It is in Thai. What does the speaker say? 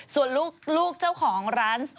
ส่วนลูกเจ้าของร้าน